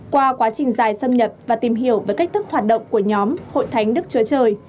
qua quá trình dài xâm nhập và tìm hiểu về cách thức hoạt động của nhóm hội thánh đức chúa trời